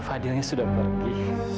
fadilnya sudah pergi